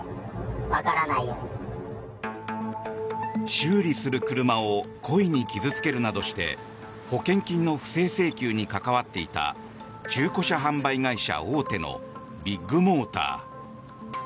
修理する車を故意に傷付けるなどして保険金の不正請求に関わっていた中古車販売会社大手のビッグモーター。